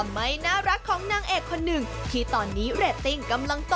ไม่น่าจะใช่มินหรอกค่ะ